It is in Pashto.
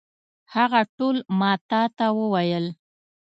هغه ټول ما تا ته وویل.